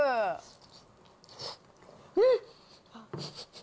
うん！